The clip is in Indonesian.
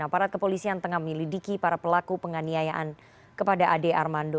aparat kepolisian tengah menyelidiki para pelaku penganiayaan kepada ade armando